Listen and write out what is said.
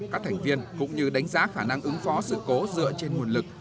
các thành viên cũng như đánh giá khả năng ứng phó sự cố dựa trên nguồn lực